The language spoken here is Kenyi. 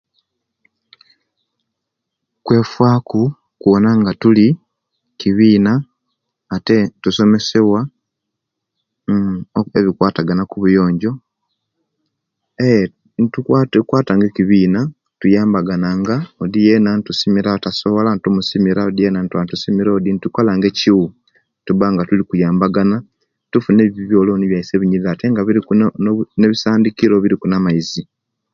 Kwefaku kuwona nga tuli kibina ate tusomesewa ebikwatagana okubuyonjo eee nitukwata nekibina nituyambagana odi yena nitwatusimira atasobola odi yena nitukola nga tulikuyambagana tufune ebiyoloni byaisu ebiyirira ate nga biriku ne bisandikiro nga biriku namaizi